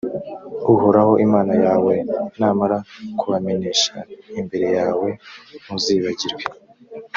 uhoraho imana yawe namara kubamenesha imbere yawe, ntuzibagirwe